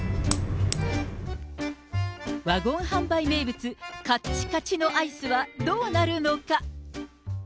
ワゴン販売名物、かっちかちのアイスはどうなるのか。